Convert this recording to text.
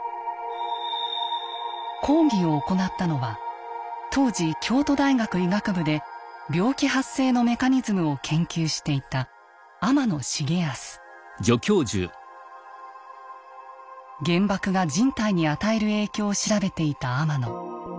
講義を行ったのは当時京都大学医学部で病気発生のメカニズムを研究していた原爆が人体に与える影響を調べていた天野。